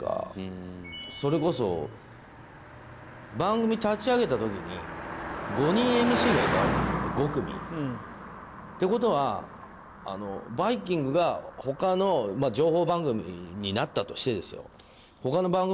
それこそ番組立ち上げた時に５人ＭＣがいたわけであって５組。って事は『バイキング』が他の情報番組になったとしてですよ。